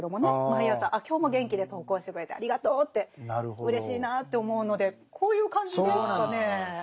毎朝今日も元気で登校してくれてありがとうってうれしいなって思うのでこういう感じですかね。